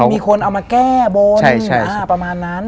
มีคนเอามาแก้บนประมาณนั้น